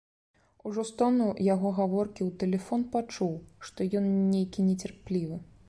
Ужо з тону яго гаворкі ў тэлефон пачуў, што ён нейкі нецярплівы.